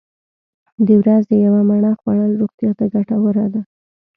د ورځې یوه مڼه خوړل روغتیا ته ګټوره ده.